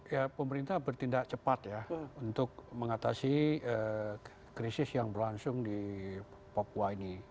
ya pemerintah bertindak cepat ya untuk mengatasi krisis yang berlangsung di papua ini